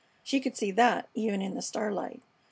She could see that, even in the starlight.